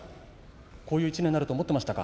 こういう１年になると思っていましたか？